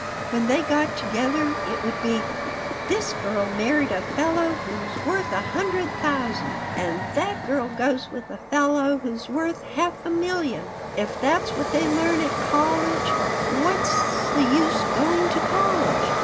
When they got together it would be, 'This girl married a fellow who's worth a hundred thousand,' and, 'That girl goes with a fellow who's worth half a million.' If that's what they learn at college, what's the use going to college?"